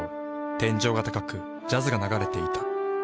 天井が高くジャズが流れていた。